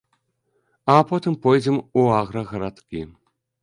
А потым пойдзем у аграгарадкі.